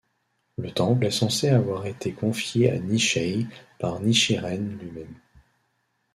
Le temple est censé avoir été confiée à Nichiei par Nichiren lui-même.